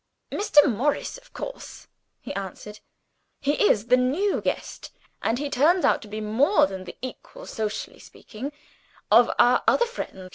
"Mr. Morris, of course," he answered. "He is the new guest and he turns out to be more than the equal, socially speaking, of our other friend.